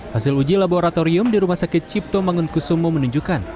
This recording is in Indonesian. hasil uji laboratorium di rumah sakit cipto mangunkusumo menunjukkan